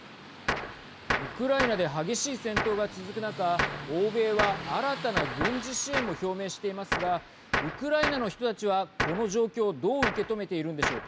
ウクライナで激しい戦闘が続く中欧米は新たな軍事支援も表明していますがウクライナの人たちはこの状況をどう受け止めているのでしょうか。